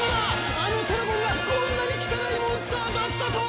あのトラゴンがこんなに汚いモンスターだったとは！